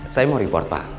saya mau report pak